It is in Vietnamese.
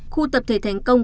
khu tập thể thành công